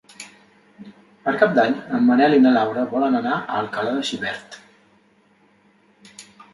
Per Cap d'Any en Manel i na Laura volen anar a Alcalà de Xivert.